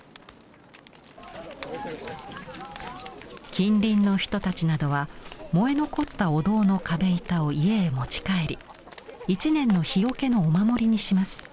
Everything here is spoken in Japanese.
近隣の人たちなどは燃え残ったお堂の壁板を家へ持ち帰り一年の火よけのお守りにします。